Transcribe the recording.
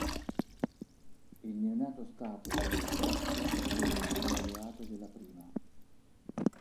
Il neonato stato della Slovacchia divenne un alleato della prima.